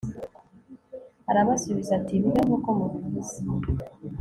arabasubiza ati bibe nk'uko mubivuze